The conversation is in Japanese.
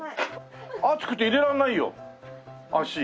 熱くて入れられないよ足。